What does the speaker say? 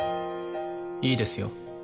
いいですよ。